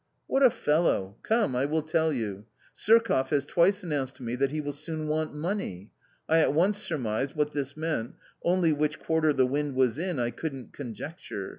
" What a fellow ! Come, I will tell you ; Surkoff has twice announced to me that he will soon want money. I at once surmised what this meant, only which quarter the wind was in I couldn't conjecture.